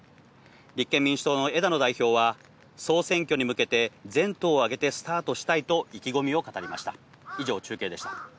立憲民主党の枝野代表は、総選挙に向けて全党をあげてスタートしたいと意気込みを語りました。